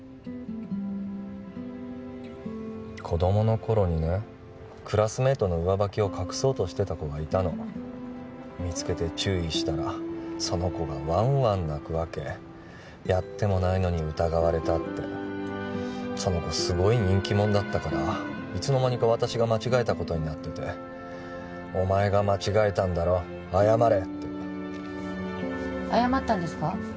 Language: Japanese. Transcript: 子どもの頃にねクラスメイトの上履きを隠そうとしてた子がいたの見つけて注意したらその子がワンワン泣くわけやってもないのに疑われたってその子すごい人気者だったからいつの間にか私が間違えたことになっててお前が間違えたんだろ謝れって謝ったんですか？